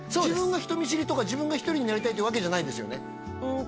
自分が人見知りとか自分が１人になりたいってわけじゃないんですよね